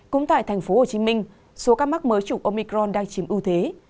cũng tại thành phố hồ chí minh số ca mắc mới chủng omicron đang chiếm ưu thế